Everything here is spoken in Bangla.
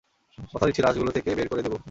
কথা দিচ্ছি লাশগুলো থেকে বের করে দেব।